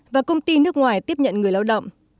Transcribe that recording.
và công ty nước ngoài tiếp nhận người lao động